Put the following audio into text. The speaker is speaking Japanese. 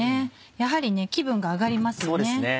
やはり気分が上がりますよね。